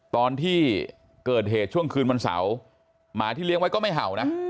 ตอนที่เกิดเหตุช่วงคืนวันเสาร์หมาที่เลี้ยงไว้ก็ไม่เห่านะ